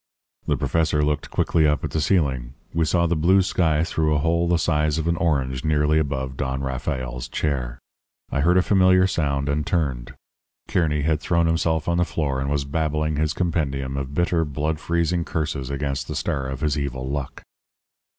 "The professor looked quickly up at the ceiling. We saw the blue sky through a hole the size of an orange nearly above Don Rafael's chair. "I heard a familiar sound, and turned. Kearny had thrown himself on the floor and was babbling his compendium of bitter, blood freezing curses against the star of his evil luck.